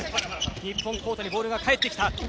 日本コートにボールが返ってきた。